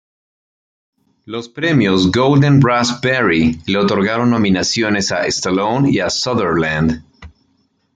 Los Premios Golden Raspberry le otorgaron nominaciones a Stallone y a Sutherland.